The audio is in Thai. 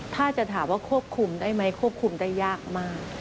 ถ้าจะถามว่าควบคุมได้ไหมควบคุมได้ยากมาก